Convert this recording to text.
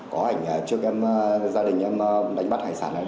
có ảnh trước em gia đình em đánh bắt hải sản này